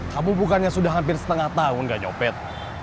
kamu bukannya sudah hampir setengah tahun gak nyopet